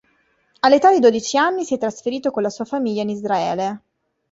All'età di dodici anni si è trasferito con la sua famiglia in Israele.